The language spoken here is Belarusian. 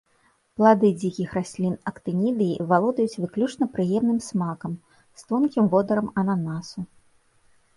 Плады дзікіх раслін актынідыі валодаюць выключна прыемным смакам з тонкім водарам ананасу.